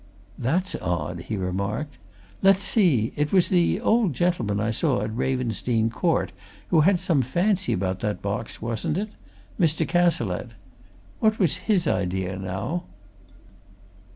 "That's odd!" he remarked. "Let's see it was the old gentleman I saw at Ravensdene Court who had some fancy about that box, wasn't it? Mr. Cazalette. What was his idea, now?"